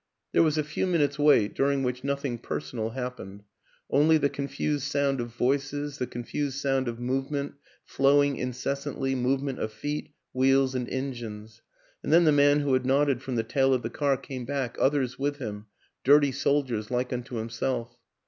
There was a few minutes' wait, during which nothing per sonal happened only the confused sound of voices, the confused sound of movement flowing incessantly, movement of feet, wheels and engines ; and then the man who had nodded from the tail of the car came back, others with him dirty soldiers like unto himself.